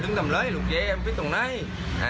ดึงทำเลยลูกเกมฟิตตรงไหน